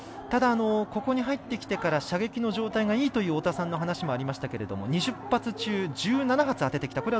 ただ、ここに入ってきてから射撃の状態がいいという太田さんの話もありましたけど２０発中１７発当ててきた。